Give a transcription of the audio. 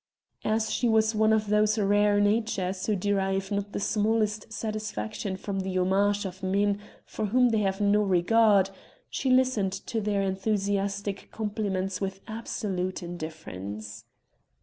As she was one of those rare natures who derive not the smallest satisfaction from the homage of men for whom they have no regard, she listened to their enthusiastic compliments with absolute indifference.